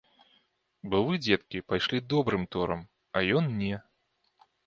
Бо вы, дзеткі, пайшлі добрым торам, а ён не.